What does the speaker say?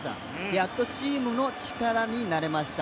やっとチームの力になれました。